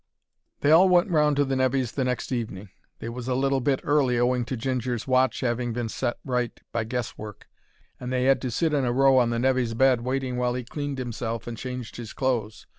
They all went round to the nevy's the next evening. They was a little bit early owing to Ginger's watch 'aving been set right by guess work, and they 'ad to sit in a row on the nevy's bed waiting while 'e cleaned 'imself, and changed his clothes.